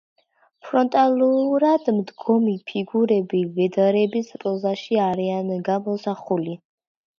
ფრონტალურად მდგომი ფიგურები ვედრების პოზაში არიან გამოსახული.